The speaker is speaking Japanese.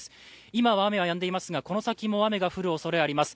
今は雨はやんでいますが、この先も雨が降るおそれがあります。